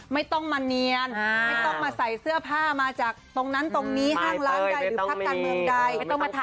ไม่ต้องใช้เชื้อผ้ามาจากตรงนั้นตรงนี้ห้างร้านใดหรือจากพลักการ์ดเมืองใด